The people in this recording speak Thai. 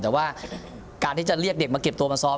แต่ว่าการที่จะเรียกเด็กมาเก็บตัวมาซ้อม